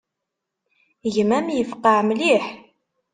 Gma-m yefqeɛ mliḥ.